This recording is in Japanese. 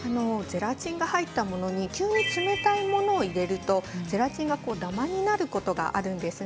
ゼラチンが入ったものに急に冷たいものが入るとゼラチンがダマになることがあります。